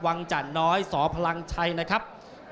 จันน้อยสพลังชัยนะครับ